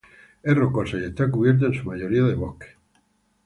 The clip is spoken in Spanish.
Es rocosa y está cubierta en su mayoría de bosques.